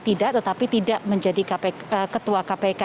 tidak tetapi tidak menjadi ketua kpk